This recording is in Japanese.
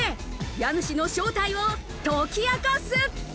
家主の正体を解き明かす。